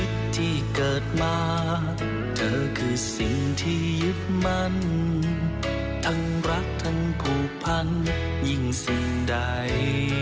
เธอคือสิ่งที่ยึดมันทั้งรักทั้งผูพันธุ์ยิ่งสิ่งใด